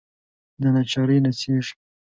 دناچارۍ نڅیږې